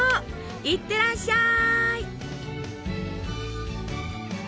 いってらっしゃい！